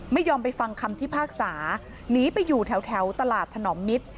ไม่ยอมไปฟังคำพิพากษาหนีไปอยู่แถวตลาดถนอมมิตร